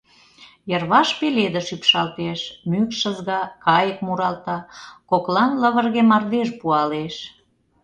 Йырваш пеледыш ӱпшалтеш, мӱкш ызга, кайык муралта, коклан лывырге мардеж пуалеш.